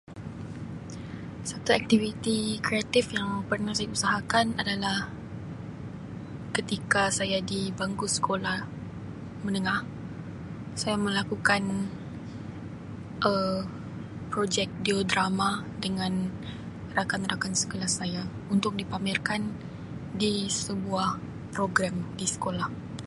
Satu aktiviti kreatif yang pernah saya usahakan adalah ketika saya dibangku sekolah menengah saya melakukan Um projek geo drama dengan rakan-rakan sekelas saya untuk dipamerkan di sebuah program di sekolah.